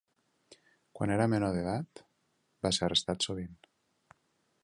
Quan era menor d'edat, va ser arrestat sovint.